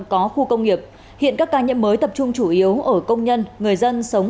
có khu công nghiệp hiện các ca nhiễm mới tập trung chủ yếu ở công nhân người dân sống